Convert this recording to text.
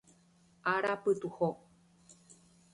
Ára pytuho.